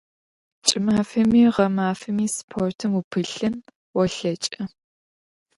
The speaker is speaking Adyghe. КӀымафэми гъэмафэми спортым упылъын олъэкӀы.